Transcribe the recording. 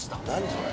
それ。